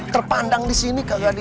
terpandang disini kagak di